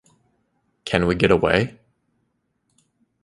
Can we get away?